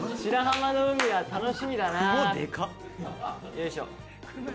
よいしょ。